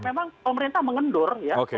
memang pemerintah mengendur